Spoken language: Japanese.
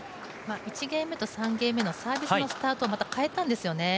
１ゲームと３ゲーム目のサービスのスタート変えたんですよね。